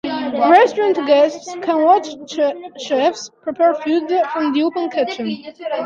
Restaurant guests can watch chefs prepare food from the open kitchen.